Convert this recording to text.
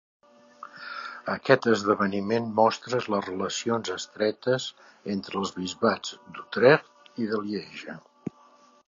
Aquest esdeveniment mostra les relacions estretes entre els bisbats d'Utrecht i de Lieja.